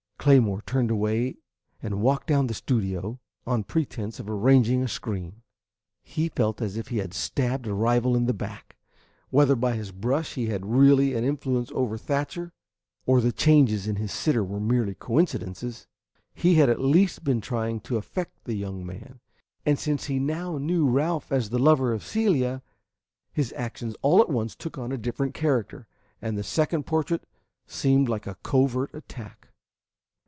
Claymore turned away and walked down the studio on pretense of arranging a screen. He felt as if he had stabbed a rival in the back. Whether by his brush he had really an influence over Thatcher, or the changes in his sitter were merely coincidences, he had at least been trying to affect the young man, and since he now knew Ralph as the lover of Celia, his actions all at once took on a different character, and the second portrait seemed like a covert attack.